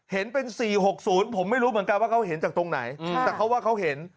เห็นเป็น๔๖๐ผมไม่รู้เหมือนกันว่าเขาเห็นจากตรงไหนแต่เขาว่าเขาเห็น